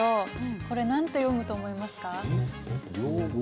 これなんと読むと思いますか？